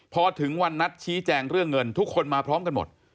พอถึงวันนัดชี้แจงเรื่องเงินทุกคนมาพร้อมกันหมด